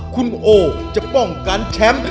คุณโอจะป้องกันแชมป์